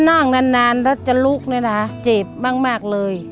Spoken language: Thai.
นั่งนานถ้าจะลุกนะค่ะเจ็บมากเลย